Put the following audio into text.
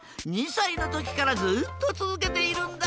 ２さいのときからずっとつづけているんだ。